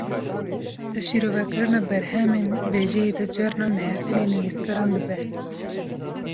Di şîrovekirina berhemên wêjeyî de, carnan neheqî li nivîskaran dibe